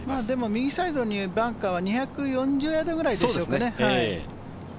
右サイドにバンカーは２４０ヤードぐらいでしょうかね。